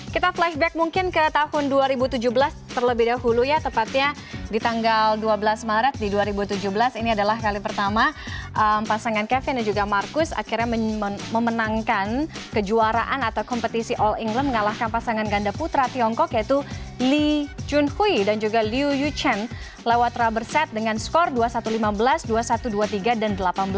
kita flashback mungkin ke tahun dua ribu tujuh belas terlebih dahulu ya tepatnya di tanggal dua belas maret di dua ribu tujuh belas ini adalah kali pertama pasangan kevin dan juga marcus akhirnya memenangkan kejuaraan atau kompetisi all england mengalahkan pasangan ganda putra tiongkok yaitu li chunhui dan juga liu yuchen lewat rubber set dengan skor dua puluh satu lima belas dua puluh satu dua puluh tiga dan delapan belas dua puluh satu